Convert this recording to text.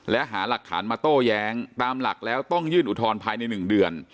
และหาหลักฐานมาโต้แย้งตามหลักแล้วต้องยื่นอุทธรณ์ภายใน๑เดือน